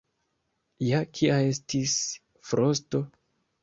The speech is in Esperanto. Ja kia estis frosto.